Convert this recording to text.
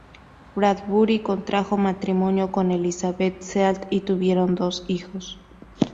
Bradbury contrajo matrimonio con Elizabeth Salt y tuvieron dos hijos.